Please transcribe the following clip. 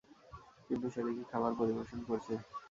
কিন্তু সে দেখি খাবার পরিবেশন করছে।